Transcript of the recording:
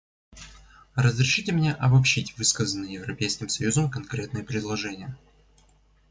Разрешите мне обобщить высказанные Европейским союзом конкретные предложения.